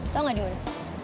tau gak dimana